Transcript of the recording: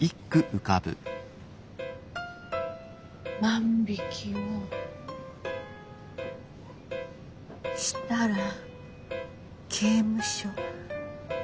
万引きをしたら刑務所。